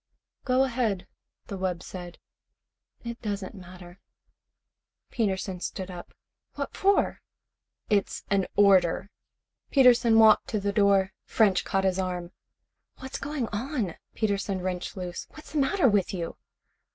"Go ahead," the wub said. "It doesn't matter." Peterson stood up. "What for?" "It's an order." Peterson walked to the door. French caught his arm. "What's going on?" Peterson wrenched loose. "What's the matter with you?"